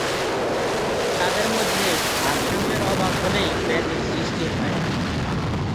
তাদের মধ্যে ভারসাম্যের অভাব হলেই ব্যাধির সৃষ্টি হয়।